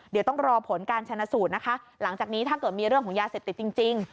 เดี๋ยวต้องรอผลการชนะสูตรนะคะหลังจากนี้ถ้าเกิดมีเรื่องของยาเสพติดจริง